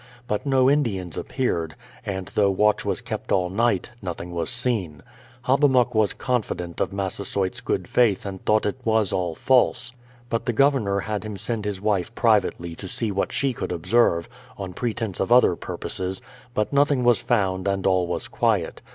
But no Indians appeared, and though watch was kept all night, nothing was seen. Hobbamok was confident 96 THE PLYMOUTH SETTLEMENT 97 of Massasoyt's good faith and thought it was all false. But the Governor had him send his wife privately to see what she could observe, on pretence of other purposes, but noth ing was found and all was quiet.